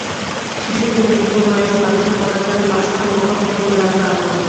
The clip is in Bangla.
শিশু থেকে বৃদ্ধ বিভিন্ন বয়সী মানুষের পদচারণে মাসভর মুখর থাকে মেলার প্রাঙ্গণ।